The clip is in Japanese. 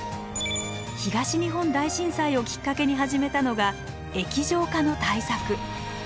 東日本大震災をきっかけに始めたのが液状化の対策。